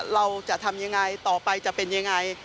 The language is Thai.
เราจะทำยังไงต่อไปจะเป็นยังไง